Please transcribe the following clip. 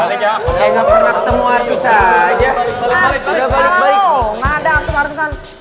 nggak ada aku ke artisan